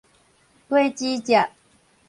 果子汁